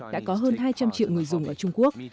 đã có hơn hai trăm linh triệu người dùng ở trung quốc